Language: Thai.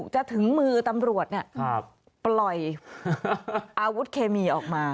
จะถึงมือตำรวจปล่อยอาวุธเคมีออกมา